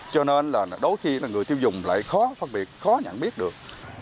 cho nên là đôi khi là người tiêu dùng lại khó phân biệt khó nhận biết được